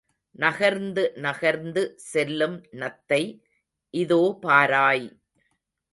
நகர்ந்து நகர்ந்து செல்லும் நத்தை இதோ பாராய்.